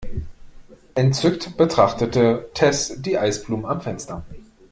Entzückt betrachtete Tess die Eisblumen am Fenster.